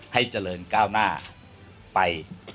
ให้เจริญก้าวหน้าไป